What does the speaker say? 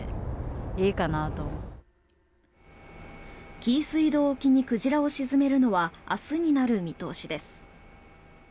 紀伊水道沖に鯨を沈めるのは明日になる見通しです。